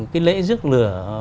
cái lễ rước lửa